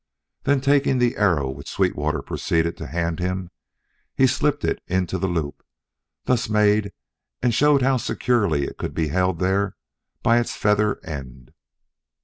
Then, taking the arrow which Sweetwater proceeded to hand him, he slipped it into the loop thus made and showed how securely it could be held there by its feather end.